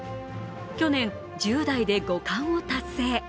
去年、１０代で五冠を達成。